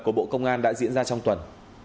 của bộ công an đã diễn ra trong tuần